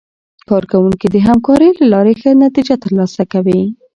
کارکوونکي د همکارۍ له لارې ښه نتیجه ترلاسه کوي